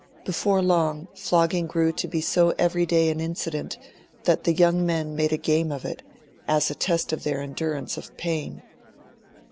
Before long, flogging grew to be so everyday an incident that the young men made a game of it, as a test of their endurance of pain.